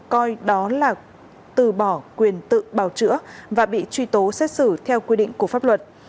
coi đó là từ bỏ quyền tự bào chữa và bị truy tố xét xử theo quy định của pháp luật